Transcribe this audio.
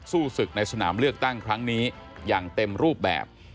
สู้ศึกในสนามเลือกตั้งครั้งนี้อย่างเต็มรูปแบบ